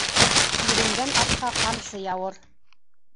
Иренгән атҡа ҡамсы яуыр.